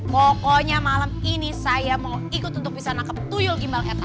pokoknya malam ini saya mau ikut untuk bisa menangkap tuyul gimbal rta